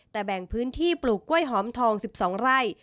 แต่แบ่งพื้นที่ปลูกกล้วยหอมทอง๑๒ไร่